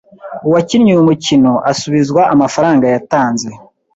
uwakinnye uyu mukino asubizwa amafaranga yatanze.